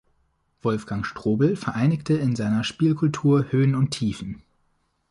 Wolfgang Strobel vereinigte in seiner Spielkultur Höhen und Tiefen.